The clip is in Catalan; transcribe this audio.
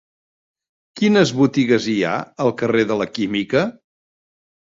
Quines botigues hi ha al carrer de la Química?